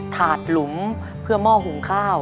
ถาดหลุมเพื่อหม้อหุงข้าว